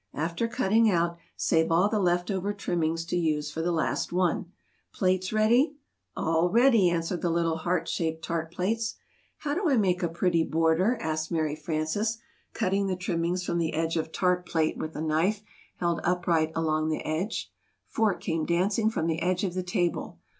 After cutting out, save all the left over trimmings to use for the last one. Plates ready?" "All ready!" answered the little heart shaped Tart Plates. [Illustration: "That right?"] "How do I make a pretty border?" asked Mary Frances, cutting the trimmings from the edge of Tart Plate with a knife held upright along the edge. Fork came dancing from the edge of the table.